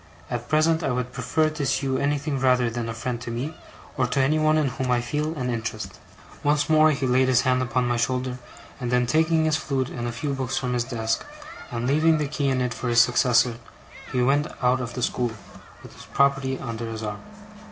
At present I would prefer to see you anything rather than a friend, to me, or to anyone in whom I feel an interest.' Once more he laid his hand upon my shoulder; and then taking his flute and a few books from his desk, and leaving the key in it for his successor, he went out of the school, with his property under his arm.